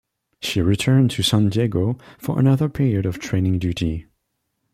She returned to San Diego for another period of training duty.